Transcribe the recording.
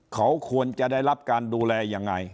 เขาควรจะได้รับการดูแลยังไง